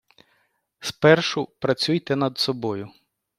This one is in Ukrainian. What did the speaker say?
Спершу працюйте над собою.